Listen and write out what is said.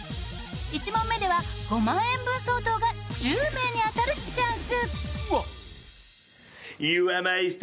１問目では５万円分相当が１０名に当たるチャンス。